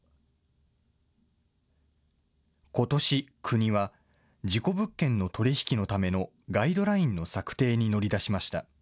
ことし、国は事故物件の取り引きのためのガイドラインの策定に乗り出しました。